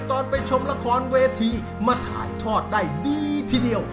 ตอนไปชมละครเวทีมาถ่ายทอดได้ดีทีเดียว